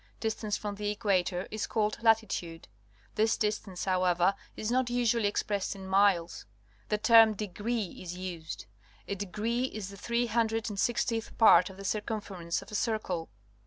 Distance from the equator is called Latitude. This distance, however, is not usually expressed in miles. The term Degree is used. A degree is the 34 PUBLIC SCH( )( )L (GEOGRAPHY tliice hundred and sixtieth part of the cir cumference of a circle.